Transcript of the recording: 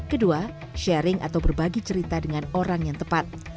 kedua sharing atau berbagi cerita dengan orang yang tepat